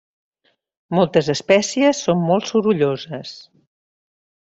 Moltes espècies són molt sorolloses.